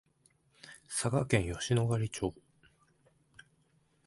佐賀県吉野ヶ里町